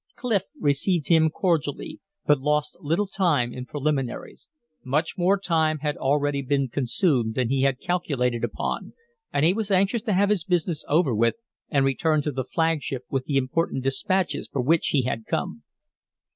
Clif received him cordially, but lost little time in preliminaries. Much more time had already been consumed than he had calculated upon, and he was anxious to have his business over with and return to the flagship with the important dispatches for which he had come.